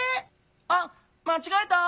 あっまちがえた！